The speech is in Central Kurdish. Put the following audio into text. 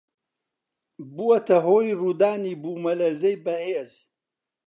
بووەتە هۆی ڕوودانی بوومەلەرزەی بەهێز